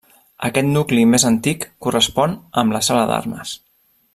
Aquest nucli més antic correspon amb la sala d'armes.